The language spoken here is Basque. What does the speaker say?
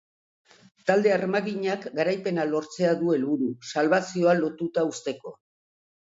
Talde armaginak garaipena lortzea du helburu, salbazioa lotuta uzteko.